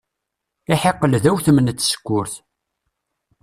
Iḥiqel d awtem n tsekkurt.